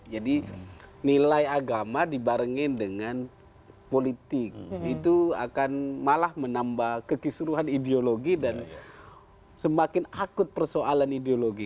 jadi nilai agama dibarengin dengan politik itu akan malah menambah kekeseruhan ideologi dan semakin akut persoalan ideologi